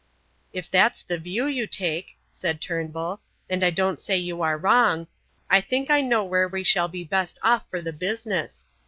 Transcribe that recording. "If that's the view you take," said Turnbull, "and I don't say you are wrong, I think I know where we shall be best off for the business.